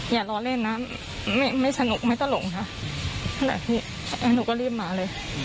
อย่าล้อเล่นนะไม่ชนุกไม่ตลกนี่นอกก็เรียบมาเลย